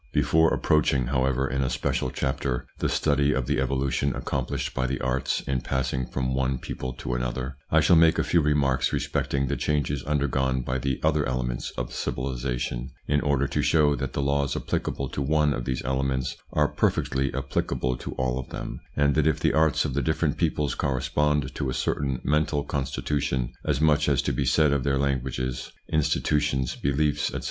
Before approaching, however, in a special chapter, the study of the evolution accomplished by the arts in passing from one people to another, I shall make a few remarks respecting the changes undergone by the other elements of civilisation, in order to show that the laws applicable to one of these elements are perfectly applicable to all of them, and that if the arts of the different peoples correspond to a certain mental constitution, as much is to be said of their languages, institutions, beliefs, etc.